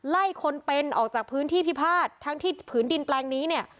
ไล่คนเป็นออกจากพื้นที่พิพาททั้งที่ผืนดินแปลงนี้เนี่ย